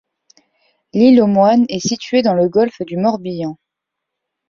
L'Île aux Moines est située dans le golfe du Morbihan.